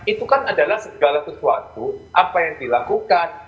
itu kan adalah segala sesuatu apa yang dilakukan